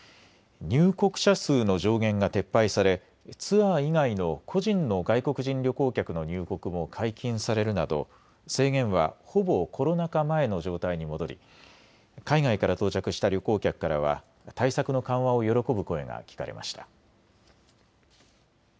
入国者数の上限が撤廃されツアー以外の個人の外国人旅行客の入国も解禁されるなど制限はほぼコロナ禍前の状態に戻り、海外から到着した旅行客からは対策の緩和を喜ぶ声が聞かれました。